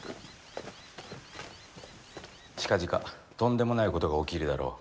近々とんでもないことが起きるだろう。